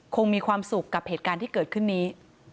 คงมีความสุขกับเหตุการณ์ที่เกิดขึ้นนี้